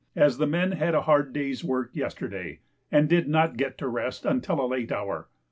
as the men had a hard day's work yesterday, and did not get to rest until a late hour.